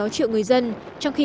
năm sáu triệu người dân trong khi